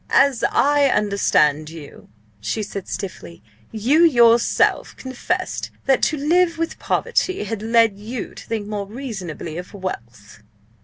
"As I understand you," she said stiffly, "you yourself confessed that to live with poverty had led you to think more reasonably of wealth."